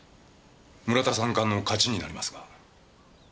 村田三冠の勝ちになりますが。